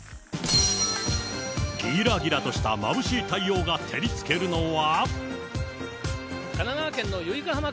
ぎらぎらとしたまぶしい太陽が照りつけるのは。